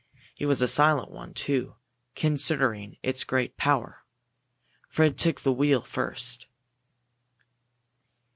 It was a silent one, too, considering its great power. Fred took the wheel first.